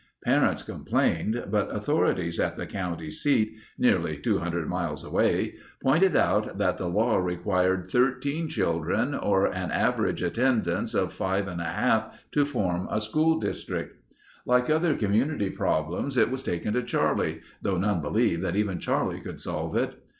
Parents complained, but authorities at the county seat nearly 200 miles away, pointed out that the law required 13 children or an average attendance of five and a half to form a school district. Like other community problems it was taken to Charlie, though none believed that even Charlie could solve it.